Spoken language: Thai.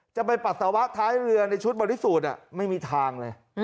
ไปปัสสาวะท้ายเรือในชุดบริสุทธิ์ไม่มีทางเลย